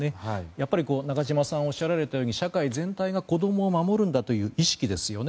やっぱり中島さんがおっしゃられたように社会全体が子供を守るんだという意識ですよね。